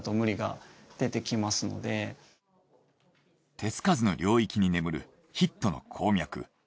手付かずの領域に眠るヒットの鉱脈。